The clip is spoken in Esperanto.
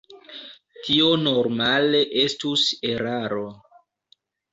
Tio normale estus eraro.